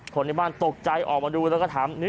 คนในบ้านตกใจออกมาดูแล้วก็ถาม